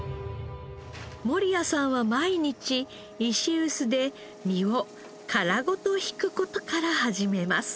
守屋さんは毎日石臼で実を殻ごとひく事から始めます。